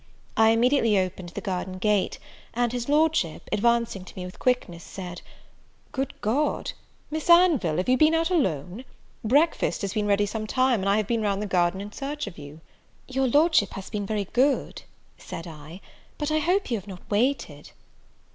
I immediately opened the garden gate; and his Lordship, advancing to me with quickness, said, "Good God! Miss Anville, have you been out alone? Breakfast has been ready some time, and I have been round the garden in search of you." "Your Lordship has been very good," said I; "but I hope you have not waited."